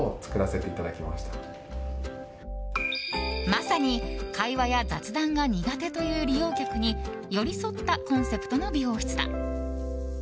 まさに会話や雑談が苦手という利用客に寄り添ったコンセプトの美容室だ。